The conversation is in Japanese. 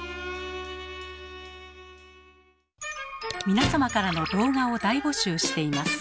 皆様からの動画を大募集しています。